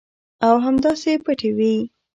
او همداسې پټې وي.